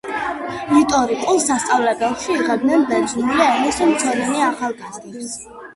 რიტორიკულ სასწავლებელში იღებდნენ ბერძნული ენის მცოდნე ახალგაზრდებს.